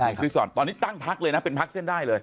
คุณสอนตอนนี้ตั้งพักเลยนะเป็นพักเส้นได้เลย